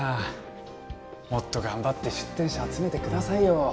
もっと頑張って出店者集めてくださいよ。